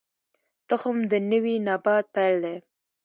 تخم د نوي نبات پیل دی